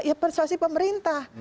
ya persuasi pemerintah